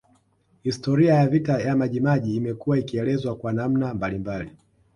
Historia ya vita ya Majimaji imekuwa ikielezwa kwa namna mbalimbali